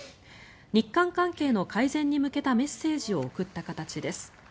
日韓関係の改善に向けたメッセージを送った形です。